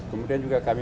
kemudian juga kami